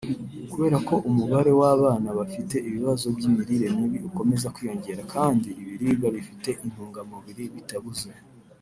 Kubera ko umubare w’abana bafite ibibazo by’imirire mibi ukomeza kwiyongera kandi ibiribwa bifite intungamubiri bitabuze